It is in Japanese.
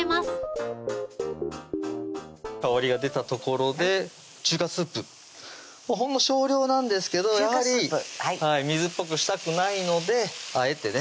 香りが出たところで中華スープほんの少量なんですけどやはり水っぽくしたくないのであえてね